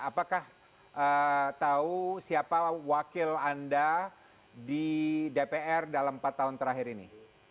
apakah tahu siapa wakil anda di dpr dalam empat tahun terakhir ini